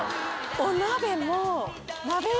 お鍋も。